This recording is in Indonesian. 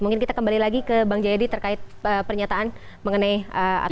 mungkin kita kembali lagi ke bang jayadi terkait pernyataan mengenai